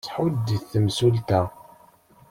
Tḥudd-it temsulta.